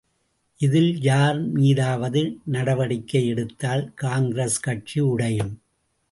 இதில் யார் மீதாவது நடவடிக்கை எடுத்தால் காங்கிரஸ் கட்சி உடையும்!